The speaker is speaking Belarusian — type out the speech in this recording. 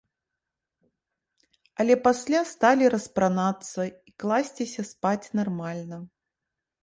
Але пасля сталі распранацца і класціся спаць нармальна.